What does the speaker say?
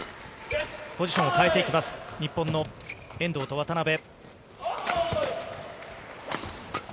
ポジションを変えてきます、日本の遠藤と渡辺。